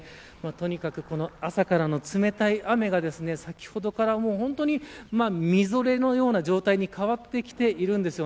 とにかく朝から冷たい雨が先ほどからみぞれのような状態に変わってきています。